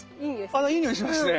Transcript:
ああいいにおいしますね。